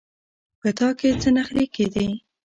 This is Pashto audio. په تا کې څه نخرې کېدې.